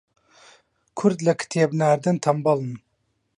کورد لە کتێب ناردن تەنبەڵن